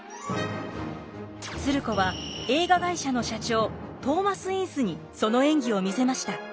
鶴子は映画会社の社長トーマス・インスにその演技を見せました。